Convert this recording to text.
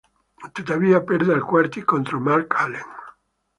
Tuttavia perde ai quarti contro Mark Allen.